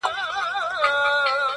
نظرمات ته یې په کار یو ګوندي راسي -